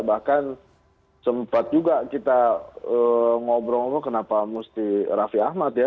bahkan sempat juga kita ngobrol ngobrol kenapa mesti raffi ahmad ya